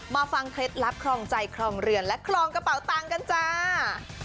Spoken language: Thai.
ฟังเคล็ดลับครองใจครองเรือนและครองกระเป๋าตังค์กันจ้า